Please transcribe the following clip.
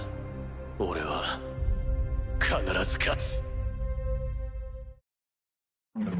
俺は必ず勝つ。